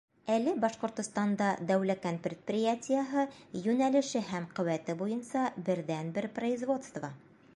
Әле Башҡортостанда Дәүләкән предприятиеһы — йүнәлеше һәм ҡеүәте буйынса берҙән-бер производство.